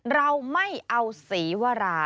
เราไม่เอาศรีวรา